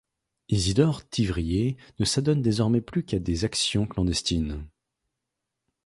Isidore Thivrier ne s’adonne désormais plus qu’à des actions clandestines.